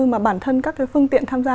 mà bản thân các cái phương tiện tham gia